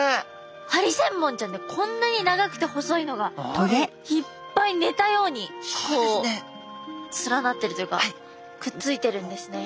ハリセンボンちゃんってこんなに長くて細いのがいっぱいねたように連なってるというかくっついてるんですね。